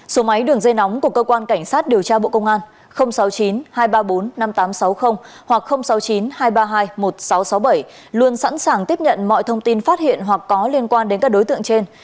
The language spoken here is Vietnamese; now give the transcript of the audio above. số máy đường dây nóng của cơ quan cảnh sát điều tra bộ công an sáu mươi chín hai trăm ba mươi bốn năm nghìn tám trăm sáu mươi hoặc sáu mươi chín hai trăm ba mươi hai một nghìn sáu trăm sáu mươi bảy luôn sẵn sàng tiếp nhận mọi thông tin phát hiện hoặc có liên quan đến các đối tượng trên